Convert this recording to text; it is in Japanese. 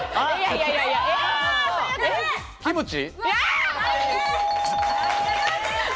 キムチ。